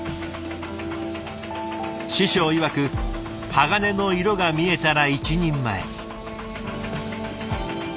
師匠いわく鋼の色が見えたら一人前。